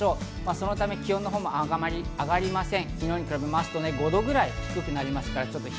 そのため、気温のほうもあまり上がりません。